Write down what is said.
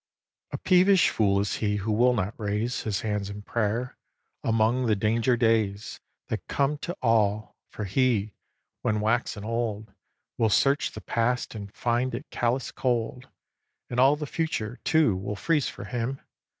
xv. A peevish fool is he who will not raise His hands in prayer, among the danger days That come to all; for he, when waxen old, Will search the past and find it callous cold; And all the future, too, will freeze for him.